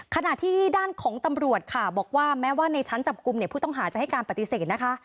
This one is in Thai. ขณะที่ด้านของตำรวจค่ะบอกว่าแม้ว่าในชั้นจับกลุ่มเนี่ยผู้ต้องหาจะให้การปฏิเสธนะคะ